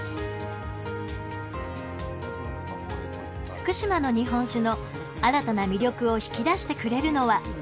福島の日本酒の新たな魅力を引き出してくれるのはこの人。